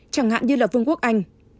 chẳng hạn như là vương quốc anh